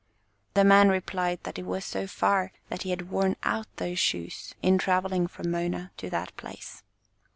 The man replied, that it was so far, that he had worn out those shoes in travelling from Mona to that place.